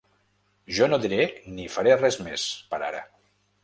Jo no diré ni faré res més, per ara.